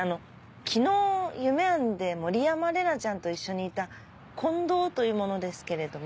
昨日夢庵で森山玲奈ちゃんと一緒にいた近藤という者ですけれども。